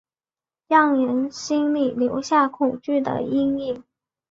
让人心里留下恐惧的阴影